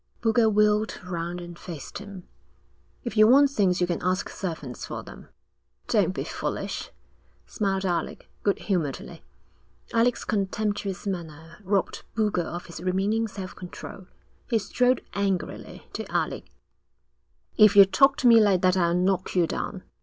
Boulger wheeled round and faced him. 'If you want things you can ask servants for them.' 'Don't be foolish,' smiled Alec, good humouredly. Alec's contemptuous manner robbed Boulger of his remaining self control. He strode angrily to Alec. 'If you talk to me like that I'll knock you down.'